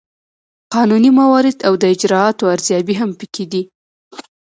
قانوني موارد او د اجرااتو ارزیابي هم پکې دي.